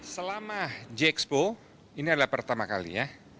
selama g expo ini adalah pertama kali ya